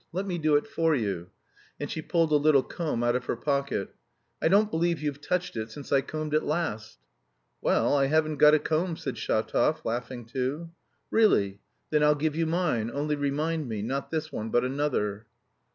Let me do it for you." And she pulled a little comb out of her pocket. "I don't believe you've touched it since I combed it last." "Well, I haven't got a comb," said Shatov, laughing too. "Really? Then I'll give you mine; only remind me, not this one but another."